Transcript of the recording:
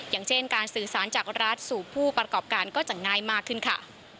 อย่างเช่นการสื่อสารจากรัฐสู่ผู้ประกอบการก็จะง่ายมากขึ้นค่ะ